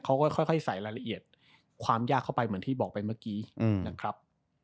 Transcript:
ค่อยใส่รายละเอียดความยากเข้าไปเหมือนที่บอกไปเมื่อกี้นะครับ